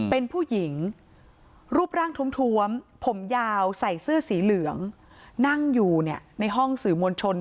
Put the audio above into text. เป็นผู้หญิงรูปร่างทวมผมยาวใส่เสื้อสีเหลืองนั่งอยู่ในห้องสื่อมวลชน